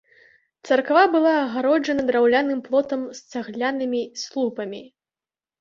Царква была агароджана драўляным плотам з цаглянымі слупамі.